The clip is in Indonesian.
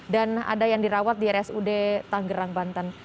ada yang dirawat di rsud tanggerang banten